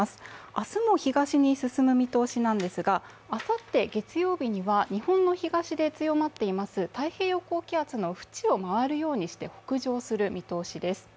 明日も東に進む見通しなんですが、あさって月曜日には日本の東で強まっています太平洋高気圧の縁を回るように北上する見通しです。